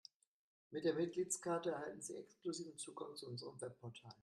Mit der Mitgliedskarte erhalten Sie exklusiven Zugang zu unserem Webportal.